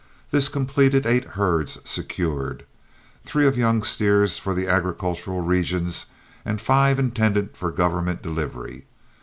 This completed eight herds secured three of young steers for the agricultural regions, and five intended for government delivery.